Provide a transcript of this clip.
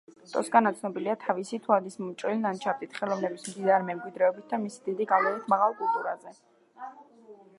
ტოსკანა ცნობილია თავის თვალისმომჭრელი ლანდშაფტით, ხელოვნების მდიდარი მემკვიდრეობით და მისი დიდი გავლენით მაღალ კულტურაზე.